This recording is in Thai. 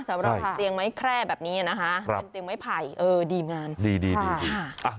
สำหรับเตียงไม้แคร่แบบนี้นะคะเป็นเตียงไม้ไผ่ดีมาก